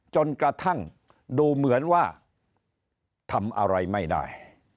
จนกระทั่งดูเหมือนว่าทำอะไรไม่ได้